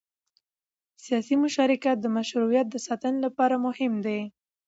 سیاسي مشارکت د مشروعیت د ساتنې لپاره مهم دی